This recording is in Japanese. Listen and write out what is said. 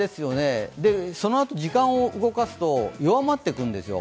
そのあと時間を動かすと弱まっていくんですよ。